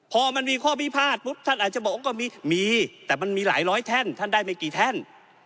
พอมันมีข้อพิพาทปุ๊บท่านอาจจะบอกว่าก็มีมีแต่มันมีหลายร้อยแท่นท่านได้ไม่กี่แท่น